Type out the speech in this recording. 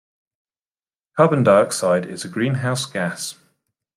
Carbon dioxide is a greenhouse gas.